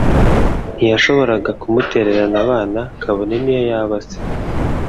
Ntiyashoboraga kumutererana abana, kabone niyo yaba se.